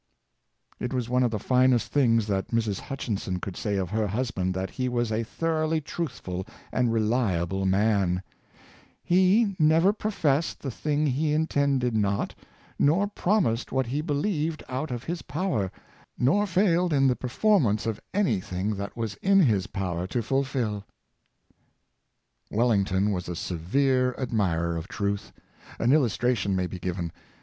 '' It was one of the finest things that Mrs. Hutchinson could say of her husband, that he was a thoroughly truthful and reliable man: "He never professed the thing he intended not, nor promised what he believed out of his power, nor failed in the performance of any thing that was in his power to fulfill.'" Wellington was a severe admirer of truth. An illus tration may be given.